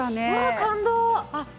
感動！